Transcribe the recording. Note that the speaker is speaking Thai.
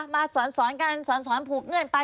มาสอนกันสอนผูกเงื่อนไป